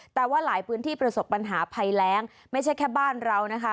แต่ว่าหลายพื้นที่ประสบปัญหาภัยแรงไม่ใช่แค่บ้านเรานะคะ